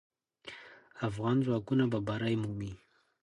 افغان ځواکونه به بری مومي.